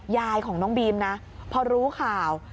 ยายของน้องบีมนะพอรู้ข่าว